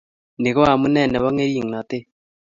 ni ko amune nebo ngeringnotet